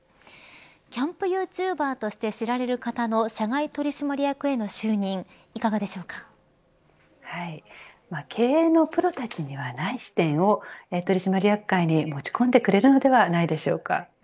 キャンプ・ユーチューバーとして知られる方の社外取締役への就任経営のプロたちにはない視点を取締役会に持ち込んでくれるのではないでしょうか。